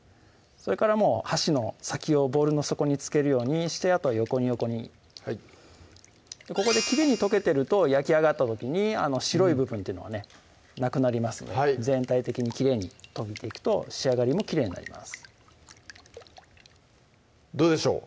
それからもう箸の先をボウルの底に付けるようにしてあとは横に横にはいここできれいに溶けてると焼き上がった時に白い部分っていうのはねなくなりますので全体的にきれいに溶いていくと仕上がりもきれいになりますどうでしょう？